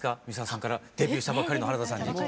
三沢さんからデビューしたばかりの原田さんに。